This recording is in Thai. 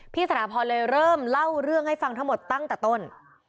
สถาพรเลยเริ่มเล่าเรื่องให้ฟังทั้งหมดตั้งแต่ต้น